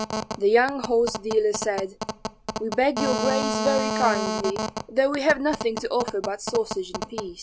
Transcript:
The young horse dealer said, "We beg your grace very kindly, though we have nothing to offer but sausage and peas."